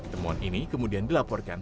temuan ini kemudian dilaporkan